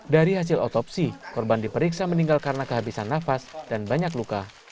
dari hasil otopsi korban diperiksa meninggal karena kehabisan nafas dan banyak luka